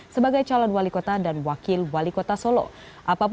sebagai calon wali kota